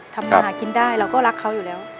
ทำมาหากินได้เราก็รักเขาอยู่แล้ว